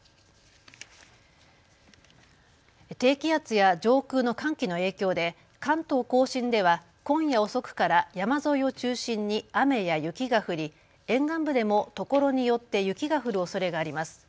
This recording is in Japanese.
低気圧や上空の寒気の影響で関東甲信では今夜遅くから山沿いを中心に雨や雪が降り沿岸部でもところによって雪が降るおそれがあります。